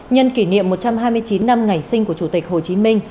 nhân kỷ niệm một trăm hai mươi chín năm ngày sinh của chủ tịch hồ chí minh